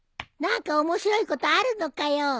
何か面白いことあるのかよ。